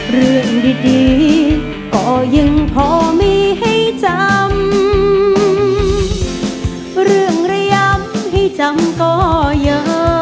เรื่องดีก็ยังพอมีให้จำเรื่องระย้ำให้จำก็เยอะ